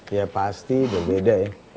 ya pasti udah beda ya